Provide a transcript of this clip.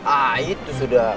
ah itu sudah